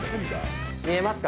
見えますか？